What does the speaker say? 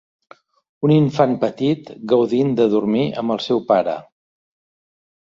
Un infant petit gaudint de dormir amb el seu pare.